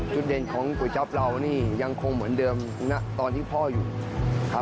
จุดเด่นของก๋วยจั๊บเรานี่ยังคงเหมือนเดิมณตอนที่พ่ออยู่ครับ